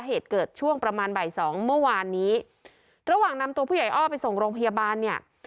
เหตุเกิดช่วงประมาณบ่ายสองเมื่อวานนี้ระหว่างนำตัวผู้ใหญ่อ้อไปส่งโรงพยาบาลเนี่ย